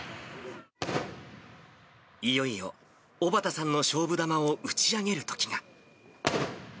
いよいよ、小幡さんの勝負玉を打ち上げるときが。